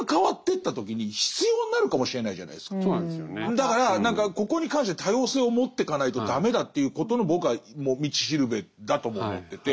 だから何かここに関して多様性を持ってかないと駄目だっていうことの僕は道しるべだとも思ってて。